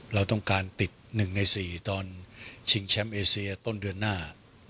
เราต้องการติด๑ใน๔ตอนชิงแชมป์เอเซียต้นเดือนหน้า